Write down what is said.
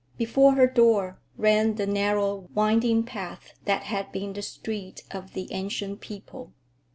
Before her door ran the narrow, winding path that had been the street of the Ancient People.